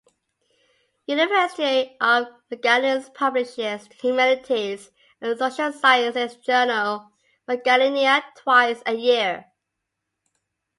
University of Magallanes publishes the humanities and social sciences journal "Magallania" twice a year.